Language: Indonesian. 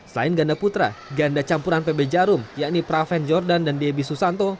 selain ganda putra ganda campuran pb jarum yakni praven jordan dan debbie susanto